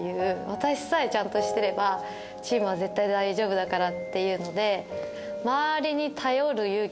私さえちゃんとしてればチームは絶対大丈夫だからっていうので。